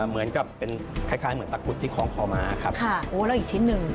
เหมือนกับเป็นคล้ายคล้ายเหมือนตะกุดที่คล้องคอมาครับค่ะโอ้แล้วอีกชิ้นหนึ่ง